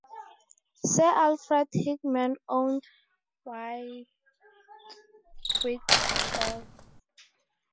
Sir Alfred Hickman owned Wightwick Hall.